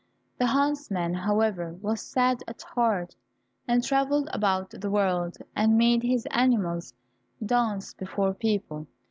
The huntsman, however, was sad at heart, and travelled about the world, and made his animals dance before people.